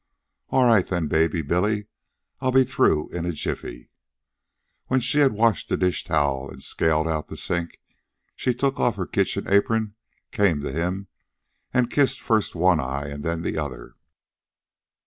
"All right, then, baby Billy; I'll be through in a jiffy." When she had washed the dish towel and scalded out the sink, she took off her kitchen apron, came to him, and kissed first one eye and then the other.